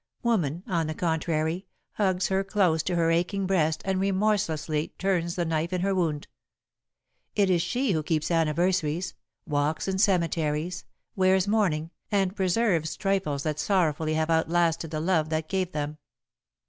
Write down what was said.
Woman, on the contrary, hugs hers close to her aching breast and remorselessly turns the knife in her wound. It is she who keeps anniversaries, walks in cemeteries, wears mourning, and preserves trifles that sorrowfully have outlasted the love that gave them.